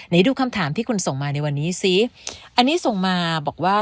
ดูคำถามที่คุณส่งมาในวันนี้ซิอันนี้ส่งมาบอกว่า